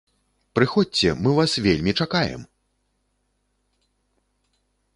Прыходзьце, мы вас вельмі чакаем!